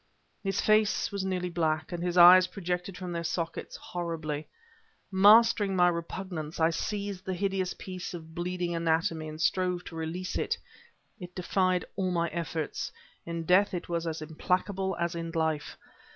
His face was nearly black, and his eyes projected from their sockets horribly. Mastering my repugnance, I seized the hideous piece of bleeding anatomy and strove to release it. It defied all my efforts; in death it was as implacable as in life.